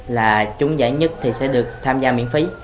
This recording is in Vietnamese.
là trúng giải nhất thì sẽ được tham gia miễn phí